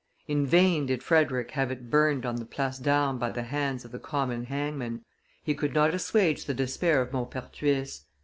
In vain did Frederick have it burned on the Place d'Armes by the hands of the common hangman; he could not assuage the despair of Maupertuis.